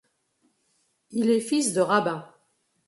Il est fils de rabbin.